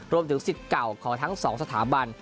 สิทธิ์เก่าของทั้งสองสถาบัน